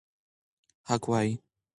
حق ووایئ.